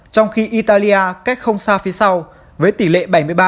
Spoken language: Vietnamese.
trong khi italia cách không xa phía sau với tỷ lệ bảy mươi ba